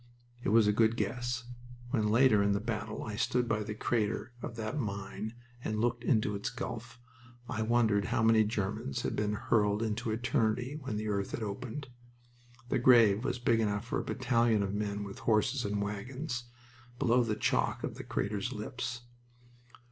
It was a good guess. When, later in the battle, I stood by the crater of that mine and looked into its gulf I wondered how many Germans had been hurled into eternity when the earth had opened. The grave was big enough for a battalion of men with horses and wagons, below the chalk of the crater's lips.